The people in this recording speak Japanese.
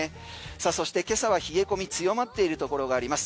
そして、今朝は冷え込み強まっているところがあります。